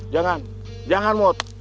jangan jangan mod